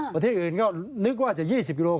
ประเทศอื่นก็นึกว่าจะ๒๐กิโล